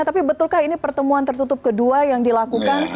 tapi betulkah ini pertemuan tertutup kedua yang dilakukan